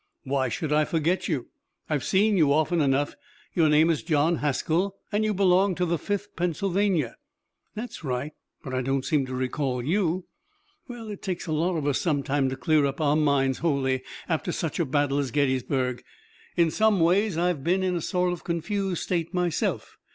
"Why should I forget you? I've seen you often enough. Your name is John Haskell and you belong to the Fifth Pennsylvania." "That's right, but I don't seem to recall you." "It takes a lot of us some time to clear up our minds wholly after such a battle as Gettysburg. In some ways I've been in a sort of confused state myself.